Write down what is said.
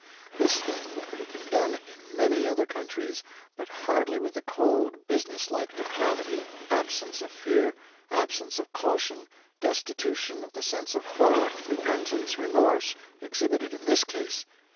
This thing could have been done in many other countries, but hardly with the cold business like depravity, absence of fear, absence of caution, destitution of the sense of horror, repentance, remorse, exhibited in this case.